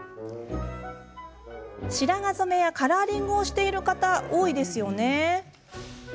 白髪染めやカラーリングをしている方、多いですよね。